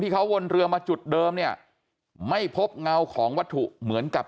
เขาวนเรือมาจุดเดิมเนี่ยไม่พบเงาของวัตถุเหมือนกับ